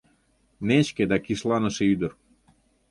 Нечке да кишланыше ӱдыр...